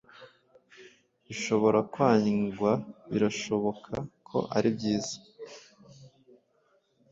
bishobora kwangwabirashoboka ko ari byiza